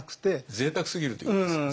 ぜいたくすぎるということですよね。